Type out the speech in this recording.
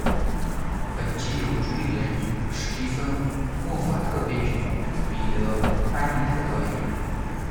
本集由主理人史蒂芬·莫法特编剧，彼得·班尼特导演。